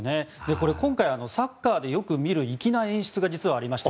これ、今回、サッカーでよく見る粋な演出が実はありました。